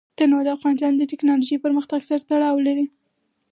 تنوع د افغانستان د تکنالوژۍ پرمختګ سره تړاو لري.